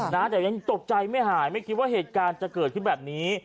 แต่ยังตกใจไม่หายไม่คิดว่าเหตุการณ์จะเกิดขึ้นแบบนี้